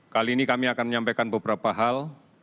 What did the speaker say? kali ini kami akan menyampaikan beberapa hal